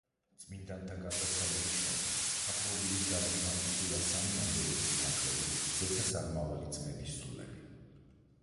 წმიდანთა გარდაცვალების შემდეგ საპყრობილის დარაჯმა იხილა სამი ანგელოზის თანხლებით ზეცას აღმავალი ძმების სულები.